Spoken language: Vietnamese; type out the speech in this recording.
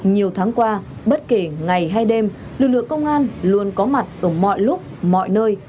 nhiều tháng qua bất kể ngày hay đêm lực lượng công an luôn có mặt ở mọi lúc mọi nơi